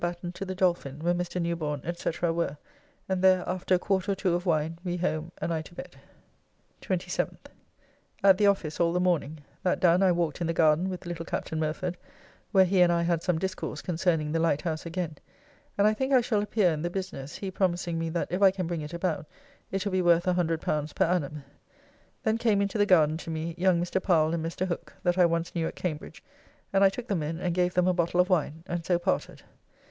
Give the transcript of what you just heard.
Batten to the Dolphin, where Mr. Newborne, &c., were, and there after a quart or two of wine, we home, and I to bed.... 27th. At the office all the morning, that done I walked in the garden with little Captain Murford, where he and I had some discourse concerning the Light House again, and I think I shall appear in the business, he promising me that if I can bring it about, it will be worth L100 per annum. Then came into the garden to me young Mr. Powell and Mr. Hooke that I once knew at Cambridge, and I took them in and gave them a bottle of wine, and so parted.